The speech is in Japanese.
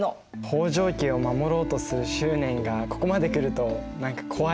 北条家を守ろうとする執念がここまでくると何か怖いよね。